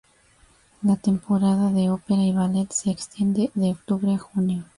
La temporada de opera y ballet se extiende de octubre a junio.